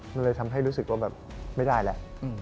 มันเลยทำให้รู้สึกว่าแบบไม่ได้แล้ว